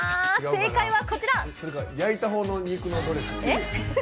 正解は、こちら！